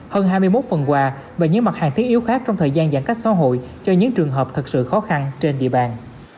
hơn hai mươi một phần quà và những mặt hàng thiết yếu khác trong thời gian giãn cách xã hội cho những trường hợp thật sự khó khăn trên địa bàn